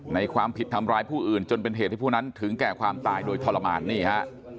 ในความผิดทำร้ายผู้อื่นจนเป็นเหตุให้ผู้นั้นถึงแก่ความตายโดยทรมานนี่ฮะ